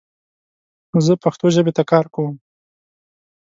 زه پښتو ژبې ته کار کوم